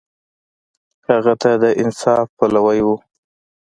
هغه د انصاف پلوی و.